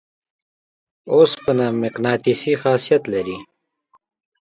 اوسپنه مقناطیسي خاصیت لري.